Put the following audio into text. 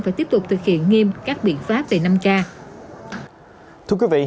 phải tiếp tục thực hiện nghiêm các biện pháp về năm k